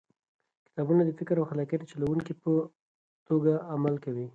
کتابونه د فکر او خلاقیت د چلوونکي په توګه عمل کوي.